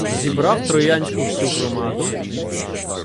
Зібрав троянську всю громаду